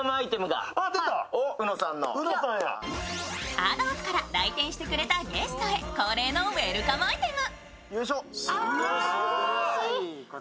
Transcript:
ハードオフから来店してくれたゲストへ恒例のウェルカムアイテム。